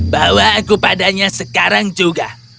bawa aku padanya sekarang juga